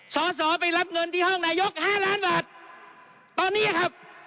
สอสอไปรับเงินที่ห้องนายกห้าล้านบาทตอนนี้ครับ